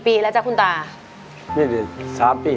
๓ปีแล้วครับ๓ปี